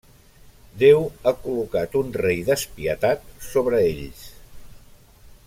Déu ha col·locat un rei despietat sobre ells.